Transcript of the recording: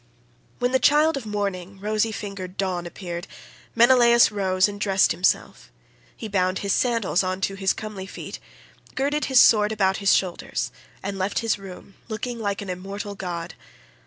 When the child of morning, rosy fingered Dawn appeared, Menelaus rose and dressed himself. He bound his sandals on to his comely feet, girded his sword about his shoulders, and left his room looking like an immortal god.